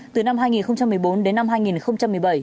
từ năm hai nghìn một mươi bốn đến năm hai nghìn một mươi bảy